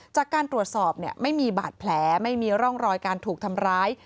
จากการตรวจสอบไม่มีบาดแผลไม่มีร่องรอยการถูกทำร้าย